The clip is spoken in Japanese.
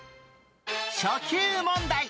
初級問題